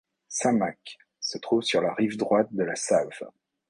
Šamac se trouve sur la rive droite de la Save.